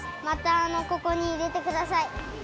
またここにいれてください。